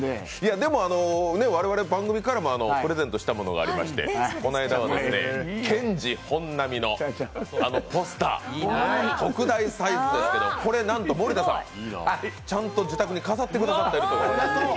でも我々番組からもプレゼントしたものがありまして、この間はケンジ・ホンナミのポスター、特大サイズですけど、これなんと森田こん、ちゃんと自宅に飾ってくださっていると。